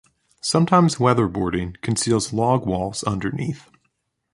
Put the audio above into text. Sometimes weatherboarding conceals log walls underneath.